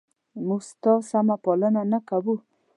موږ ستا سمه پالنه نه کوو؟